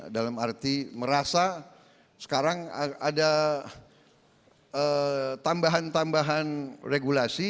dalam arti merasa sekarang ada tambahan tambahan regulasi